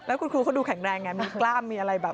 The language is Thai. แล้วคุณครูเขาดูแข็งแรงไงมีกล้ามมีอะไรแบบ